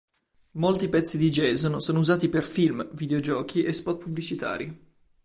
Molti pezzi di Jason sono usati per film, videogiochi e spot pubblicitari.